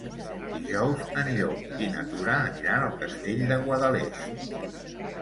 Dijous en Llop i na Tura aniran al Castell de Guadalest.